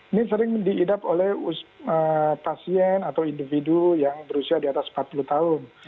ini sering diidap oleh pasien atau individu yang berusia di atas empat puluh tahun